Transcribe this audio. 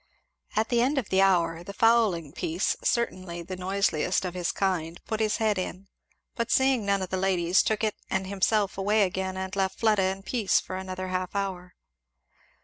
At the end of the hour "the fowling piece," certainly the noiseliest of his kind, put his head in, but seeing none of his ladies took it and himself away again and left Fleda in peace for another half hour.